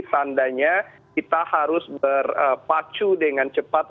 tandanya kita harus berpacu dengan cepat